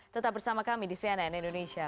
tetap bersama kami di cnn indonesia